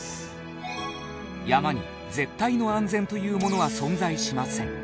山に絶対の安全というものは存在しません